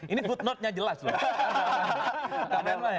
ini footnotenya jelas loh